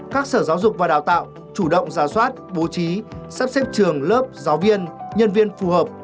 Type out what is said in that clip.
các sở giáo dục và đào tạo chủ động ra soát bố trí sắp xếp trường lớp giáo viên nhân viên phù hợp